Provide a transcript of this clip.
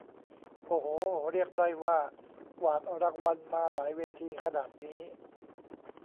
โอ้โห เรียกได้ว่ากวาดรางวัลมาหลายเวทีขนาดนี้